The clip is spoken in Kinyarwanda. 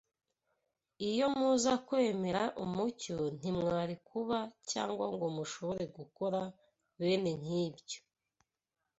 Iyo muza kwemera umucyo, ntimwari kuba cyangwa ngo mushobore gukora bene nk’ibyo.